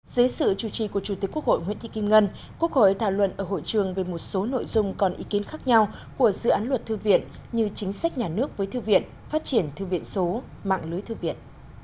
dưới sự chủ trì của chủ tịch quốc hội nguyễn thị kim ngân quốc hội thảo luận ở hội trường về một số nội dung còn ý kiến khác nhau của dự án luật thư viện như chính sách nhà nước với thư viện phát triển thư viện số mạng lưới thư viện